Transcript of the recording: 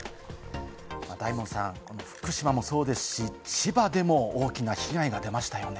大門さん、福島もそうですし、千葉でも大きな被害出ましたよね。